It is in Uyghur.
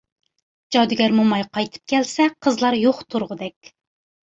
جادۇگەر موماي قايتىپ كەلسە، قىزلار يوق تۇرغۇدەك.